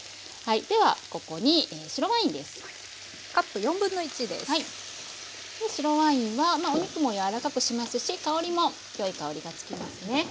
ではここに白ワインはお肉も柔らかくしますし香りもよい香りがつきますね。